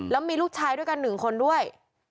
แล้วมีลูกชายด้วยกัน๑คนด้วย